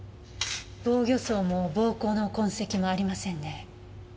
防御創も暴行の痕跡もありませんね。